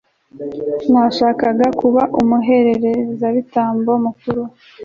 washakaga kuba umuherezabitambo mukuru